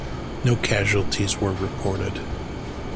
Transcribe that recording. No casualties were reported.